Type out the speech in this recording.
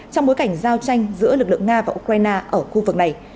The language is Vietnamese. trong bối cảnh giao tranh giữa lực lượng nga và ukraine ở khu vực này